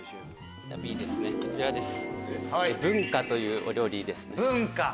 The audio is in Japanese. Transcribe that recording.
Ｂこちらです。